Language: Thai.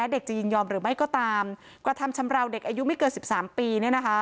เด็กจะยินยอมหรือไม่ก็ตามกระทำชำราวเด็กอายุไม่เกิน๑๓ปี